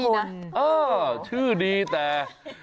ชื่อดีนะชื่อดีแต่